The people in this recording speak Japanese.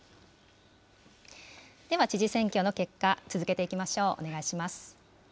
では、知事選挙の結果、続けていきましょう。